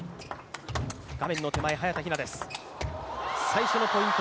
画面の手前、早田ひなです。